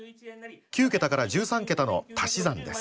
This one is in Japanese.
９桁から１３桁の足し算です。